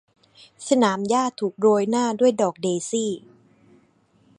สนามหญ้าถูกโรยหน้าด้วยดอกเดซี่